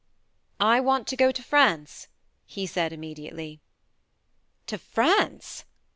"I want to go to France," he said immediately. " To France